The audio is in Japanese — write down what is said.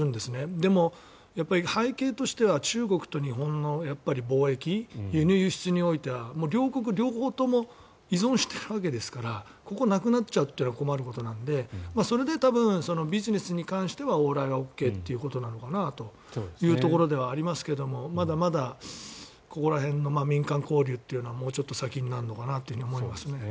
でも、背景としては中国と日本の貿易輸入・輸出においては両国両方とも依存しているわけですからここがなくなっちゃうというのは困ることなのでそれで多分、ビジネスに関しては往来はＯＫということなのかなというところではありますがまだまだここら辺の民間交流というのはもうちょっと先になるのかなと思いますね。